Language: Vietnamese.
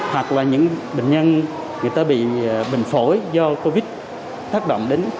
hoặc là những bệnh nhân người ta bị bệnh phổi do covid thác động đến